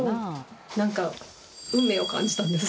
なんか運命を感じたんです。